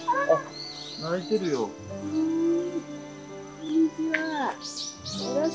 こんにちは。